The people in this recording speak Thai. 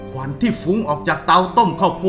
ควันมันก็จะเข้าตามาประมาณ๒๐ปี